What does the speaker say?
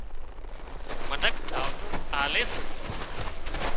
منک دعوتون آلي سي